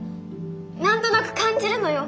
何となく感じるのよ。